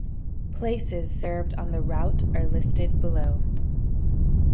Places served on the route are listed below.